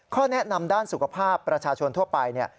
ข้อแนะนำด้านสุขภาพประชาชนทั่วไป